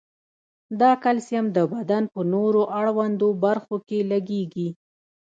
دا کلسیم د بدن په نورو اړوندو برخو کې لګیږي.